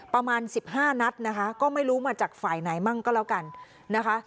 ประมาณสิบห้านัดนะคะก็ไม่รู้มาจากฝ่ายไหนมั่งก็แล้วกันนะคะ